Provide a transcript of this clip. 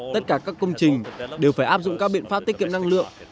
tất cả các công trình đều phải áp dụng các biện pháp tiết kiệm năng lượng